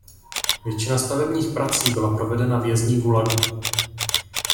Většina stavebních prací byla provedena vězni Gulagu.